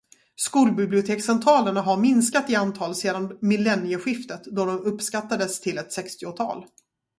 Skolbibliotekscentralerna har minskat i antal sedan millennieskiftet då de uppskattades till ett sextiotal.